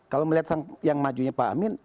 kalau melihat yang majunya pak amin